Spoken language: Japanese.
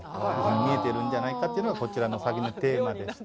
見えてるんじゃないかというのがこちらのテーマでして。